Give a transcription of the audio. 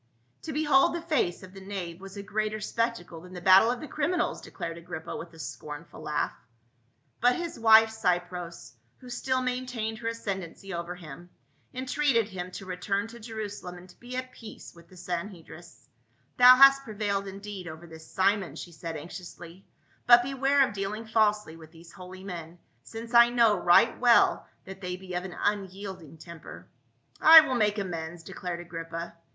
*" To behold the face of the knave was a greater spectacle than the battle of the criminals," declared Agrippa with a scornful laugh. * Jos. Antiq. B. xix., 4, 252 PAUL, But his wife Cypres, who still maintained her ascendancy over him, entreated him to return to Jeru salem and to be at peace with the Sanhedrists. " Thou hast prevailed indeed over this Simon," she said anxiously, " but beware of dealing falsely with these holy men, since I know right well that they be of an unyielding temper." "I will make amends," declared Agrippa.